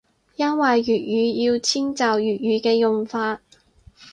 因為粵語要遷就粵語嘅用法